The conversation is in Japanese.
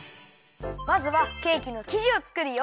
まずはケーキのきじをつくるよ。